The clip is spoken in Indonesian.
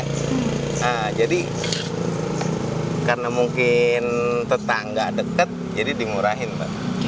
nah jadi karena mungkin tetangga deket jadi dimurahin